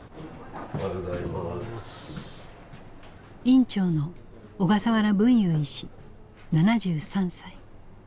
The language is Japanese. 院長の小笠原文雄医師７３歳。